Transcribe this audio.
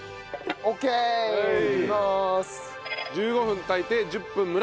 １５分炊いて１０分蒸らす。